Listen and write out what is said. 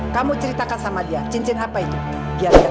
kamu ceritakan sama dia cincin apa itu